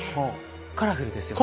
カラフルですよね。